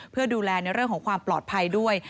เพื่อดูแลในเรื่องของความปลอดภัยด้วย